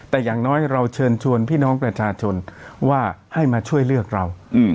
แต่อย่างน้อยเราเชิญชวนพี่น้องประชาชนว่าให้มาช่วยเลือกเรา